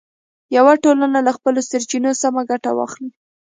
یوه ټولنه له خپلو سرچینو سمه ګټه واخلي.